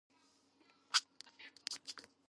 სოფელში არის ამაღლების სახელობის ნაეკლესიარი.